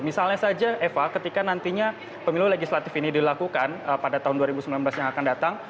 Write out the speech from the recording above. misalnya saja eva ketika nantinya pemilu legislatif ini dilakukan pada tahun dua ribu sembilan belas yang akan datang